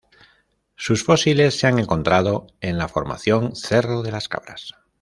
Sus fósiles se han encontrado en la Formación Cerro de las Cabras.